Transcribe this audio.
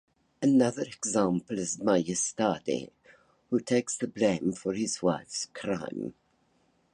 Another example is Majestade, who takes the blame for his wife's crime.